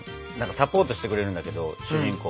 サポートしてくれるんだけど主人公を。